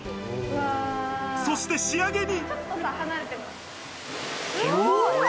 そして仕上げに。